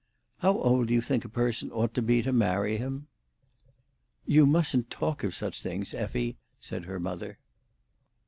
How old do you think a person ought to be to marry him?" "You mustn't talk of such things, Effie," said her mother.